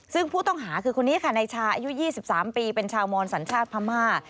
ซึ่งผู้ต้องหาคือคนนี้ค่ะนายชาอายุ๒๓ปีเป็นชาวมอนสัญชาติพม่า